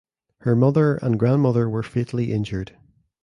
His mother and grandmother were fatally injured.